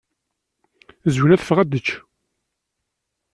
Zwina teffeɣ ad tečč.